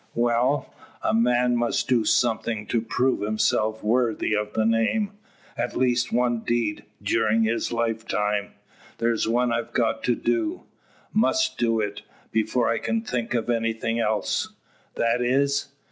"Well; a man must do something to prove himself worthy of the name; at least one deed during his lifetime. There's one I've got to do must do it, before I can think of anything else." "That is?"